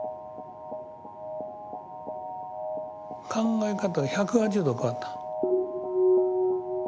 考え方が１８０度変わった。